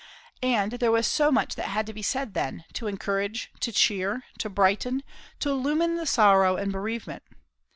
And there was so much that had to be said then, to encourage, to cheer, to brighten, to illumine the sorrow and bereavement.